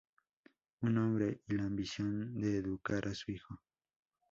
Un hombre y la ambición de educar a su hijo.